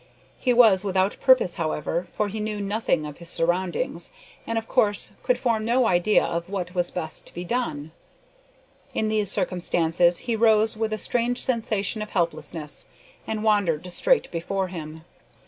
He was without purpose, however, for he knew nothing of his surroundings, and, of course, could form no idea of what was best to be done. In these circumstances he rose with a strange sensation of helplessness, and wandered straight before him.